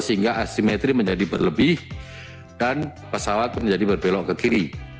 sehingga asimetri menjadi berlebih dan pesawat menjadi berbelok ke kiri